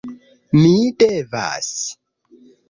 Mi devas...